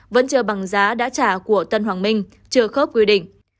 vẫn chờ bằng giá đã trả của tân hoàng minh chưa khớp quy định